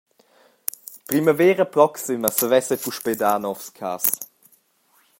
Primavera proxima savess ei puspei dar novs cass.